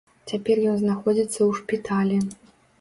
Цяпер ён знаходзіцца ў шпіталі.